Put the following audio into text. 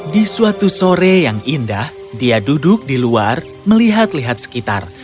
di suatu sore yang indah dia duduk di luar melihat lihat sekitar